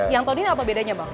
yang tahun ini apa bedanya bang